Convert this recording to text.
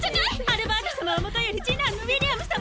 アルバート様はもとより次男のウィリアム様！